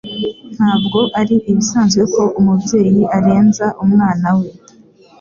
Ntabwo ari ibisanzwe ko umubyeyi arenza umwana we.